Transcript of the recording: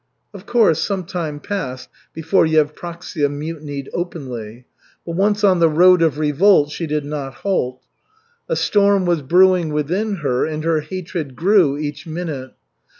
Of course, some time passed before Yevpraksia mutinied openly; but once on the road of revolt she did not halt. A storm was brewing within her, and her hatred grew each minute.